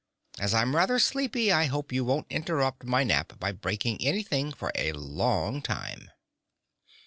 As I'm rather sleepy I hope you won't interrupt my nap by breaking anything for a long time."